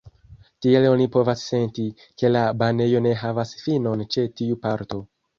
Tiel oni povas senti, ke la banejo ne havas finon ĉe tiu parto.